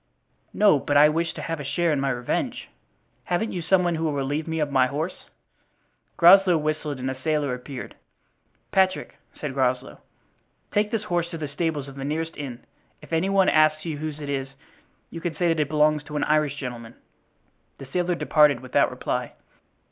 "No, but I wish to have a share in my revenge. Haven't you some one who will relieve me of my horse?" Groslow whistled and a sailor appeared. "Patrick," said Groslow, "take this horse to the stables of the nearest inn. If any one asks you whose it is you can say that it belongs to an Irish gentleman." The sailor departed without reply.